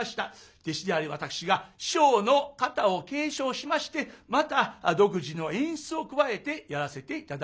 弟子である私が師匠の型を継承しましてまた独自の演出を加えてやらせて頂いております。